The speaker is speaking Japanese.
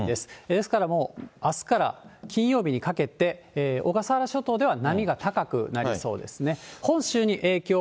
ですからもう、あすから金曜日にかけて、小笠原諸島では波が高くなりそうですね。